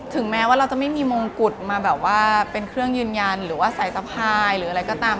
แม้ว่าเราจะไม่มีมงกุฎมาแบบว่าเป็นเครื่องยืนยันหรือว่าสายสะพายหรืออะไรก็ตาม